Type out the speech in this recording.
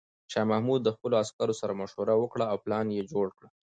شاه محمود د خپلو عسکرو سره مشوره وکړه او پلان یې جوړ کړ.